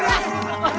langsung aja gebukin